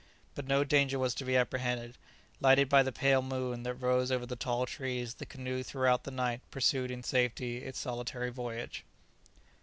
] But no danger was to be apprehended; lighted by the pale moon that rose over the tall trees, the canoe throughout the night pursued in safety its solitary voyage.